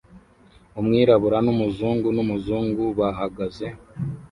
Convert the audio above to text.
Umwirabura numuzungu numuzungu bahagaze